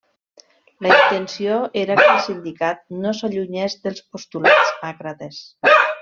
La intenció era que el sindicat no s'allunyés dels postulats àcrates.